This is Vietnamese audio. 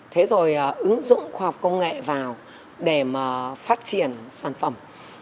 thế rồi ứng dụng khoa học công nghệ vào để mà phát triển sản phẩm